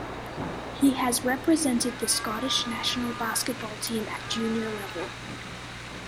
He has represented the Scottish national basketball team at junior level.